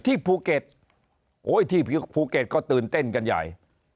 ที่ภูเก็ตโอ้ยที่ภูเก็ตก็ตื่นเต้นกันใหญ่